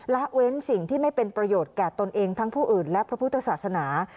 ละเว้นสิ่งที่ไม่เป็นประโยชน์แก่ตนเองทั้งผู้อื่นและพระพุทธศาสนา